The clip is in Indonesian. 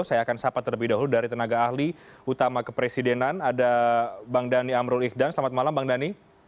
saya akan sahabat terlebih dahulu dari tenaga ahli utama kepresidenan ada bang dhani amrul ihdan selamat malam bang dhani